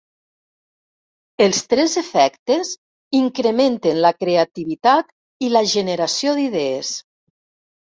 Els tres efectes incrementen la creativitat i la generació d'idees.